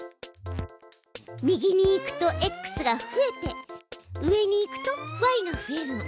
右に行くとｘが増えて上に行くとｙが増えるの。